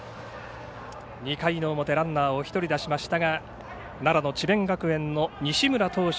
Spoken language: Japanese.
２回の表ランナーを１人出しましたが奈良の智弁学園の西村投手